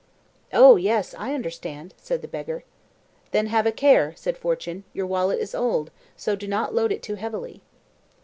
"Oh, yes, I understand," said the beggar. "Then have a care," said Fortune. "Your wallet is old, so do not load it too heavily."